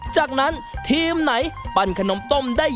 จากนั้นทีมไหนปั้นขนมต้มได้